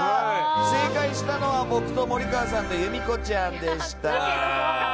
正解したのは僕と森川さんと由美子ちゃんでした。